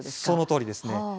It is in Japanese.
そのとおりですね。